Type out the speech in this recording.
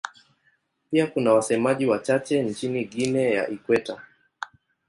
Pia kuna wasemaji wachache nchini Guinea ya Ikweta.